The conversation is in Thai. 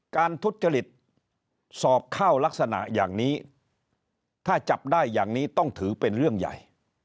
ทุจริตสอบเข้ารักษณะอย่างนี้ถ้าจับได้อย่างนี้ต้องถือเป็นเรื่องใหญ่